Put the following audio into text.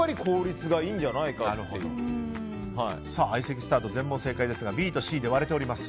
これがやっぱり相席スタート、全問正解ですがＢとＣで割れております。